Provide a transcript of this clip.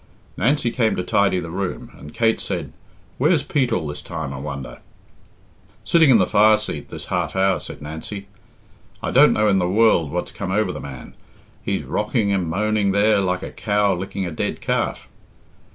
Nancy came to tidy the room, and Kate said, "Where's Pete all this time, I wonder?" "Sitting in the fire seat this half hour," said Nancy. "I don't know in the world what's come over the man. He's rocking and moaning there like a cow licking a dead calf."